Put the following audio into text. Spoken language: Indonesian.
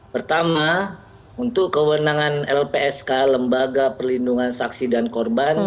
pertama untuk kewenangan lpsk lembaga perlindungan saksi dan korban